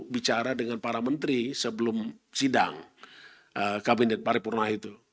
bicara dengan para menteri sebelum sidang kabinet paripurna itu